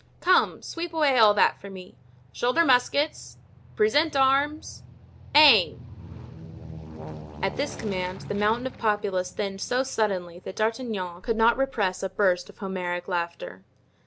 "Come, sweep away all that for me! Shoulder muskets! Present arms! Aim——" At this command the mountain of populace thinned so suddenly that D'Artagnan could not repress a burst of Homeric laughter.